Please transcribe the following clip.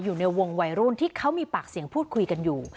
อยู่ในวงวัยรุ่นที่เขามีปากเสียงพูดคุยกันอยู่